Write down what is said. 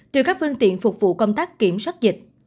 trừ các phương tiện phục vụ công tác kiểm soát dịch